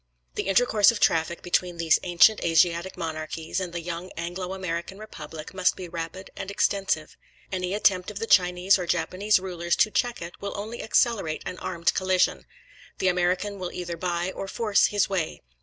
The intercourse of traffic between these ancient Asiatic monarchies, and the young Anglo American Republic, must be rapid and extensive. Any attempt of the Chinese or Japanese rulers to check it, will only accelerate an armed collision. The American will either buy or force his way.